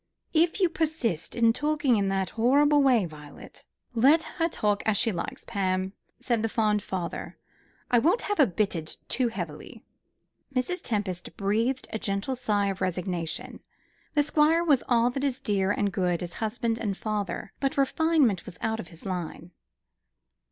"If you persist in talking in that horrible way, Violet " "Let her talk as she likes, Pam," said the fond father. "I won't have her bitted too heavily." Mrs. Tempest breathed a gentle sigh of resignation. The Squire was all that is dear and good as husband and father, but refinement was out of his line.